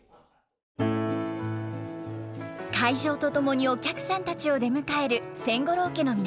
開場とともにお客さんたちを出迎える千五郎家の皆さん。